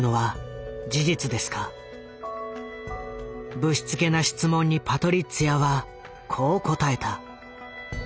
ぶしつけな質問にパトリッツィアはこう答えた。